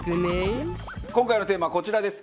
今回のテーマはこちらです。